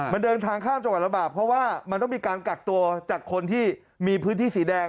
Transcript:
มันเดินทางข้ามจังหวัดระบากเพราะว่ามันต้องมีการกักตัวจากคนที่มีพื้นที่สีแดง